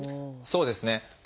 そうですね。